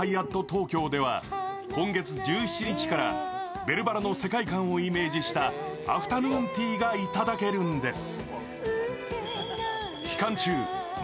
東京では今月１７日から「ベルばら」の世界観をイメージしたアフタヌーンティーがいただけるんです。